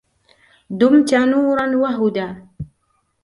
دُمت نوراً وهدى